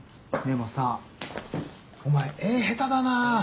でもさお前絵下手だな。